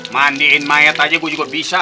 mandiin mayat aja gue juga bisa